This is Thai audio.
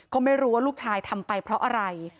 ก็ไม่รู้ว่าลูกชายทำไปเพราะอะไร